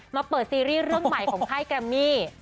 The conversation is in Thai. มาเปิดซีรีส์เรื่องใหม่ของค่ายแกรมมี่